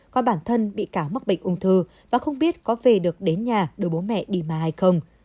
có bản thân bị cáo mắc bệnh ung thư và không biết có về được đến nhà đưa bố mẹ đi mà hay không